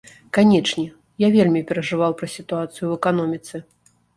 Канечне, я вельмі перажываў пра сітуацыю ў эканоміцы.